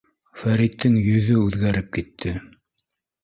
Фәриттең йөҙө үҙгәреп китте.